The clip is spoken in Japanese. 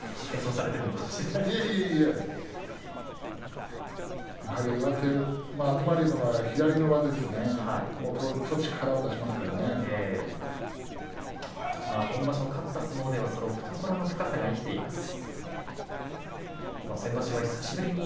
謙遜されているのかもしれません東龍の場合には左の上手今場所勝った相撲では懐の深さが生きています。